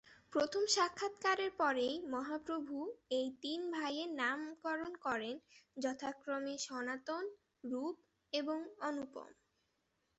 প্রথম সাক্ষাৎকারের পরেই মহাপ্রভু এই তিন ভাইয়ের নামকরণ করেন যথাক্রমে সনাতন, রূপ এবং অনুপম।